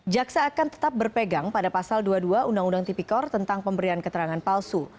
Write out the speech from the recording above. jaksa akan tetap berpegang pada pasal dua puluh dua undang undang tipikor tentang pemberian keterangan palsu